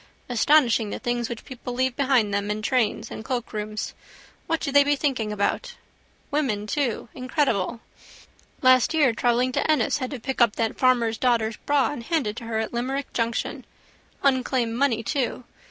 Astonishing the things people leave behind them in trains and cloakrooms. What do they be thinking about? Women too. Incredible. Last year travelling to Ennis had to pick up that farmer's daughter's bag and hand it to her at Limerick junction. Unclaimed money too.